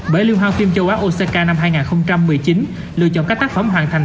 bởi liên hoan phim châu á osaka năm hai nghìn một mươi chín lựa chọn các tác phẩm hoàn thành